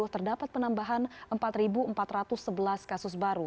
terdapat penambahan empat empat ratus sebelas kasus baru